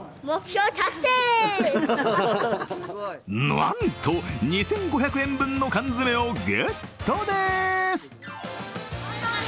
なんと、２５００円分の缶詰をゲットです。